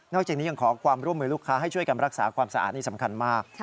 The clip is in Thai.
จากนี้ยังขอความร่วมมือลูกค้าให้ช่วยกันรักษาความสะอาดนี่สำคัญมาก